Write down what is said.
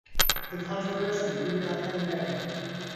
The controversy did not end there.